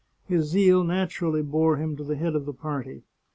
His zeal naturally bore him to the head of the party.